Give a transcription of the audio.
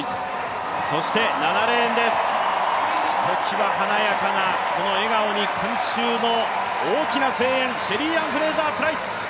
そして７レーンです、ひときわ華やかなこの笑顔に観衆の大きな声援、シェリーアン・フレイザープライス。